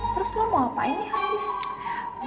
terus lo mau ngapain nih hard disk